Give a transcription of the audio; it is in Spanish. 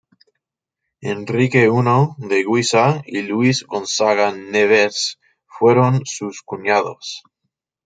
Enrique I de Guisa y Luis Gonzaga-Nevers fueron sus cuñados.